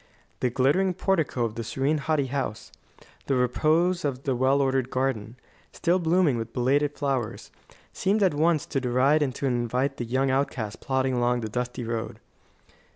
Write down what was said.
The glittering portico of the serene, haughty house, the repose of the well ordered garden, still blooming with belated flowers, seemed at once to deride and to invite the young outcast plodding along the dusty road.